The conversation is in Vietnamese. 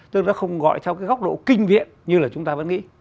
chứ nó không gọi theo góc độ kinh viện như chúng ta vẫn nghĩ